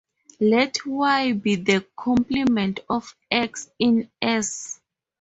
Let "Y" be the complement of "X" in "S".